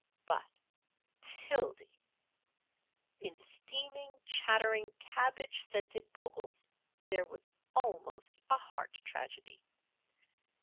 But, Tildy! In steaming, chattering, cabbage scented Bogle's there was almost a heart tragedy.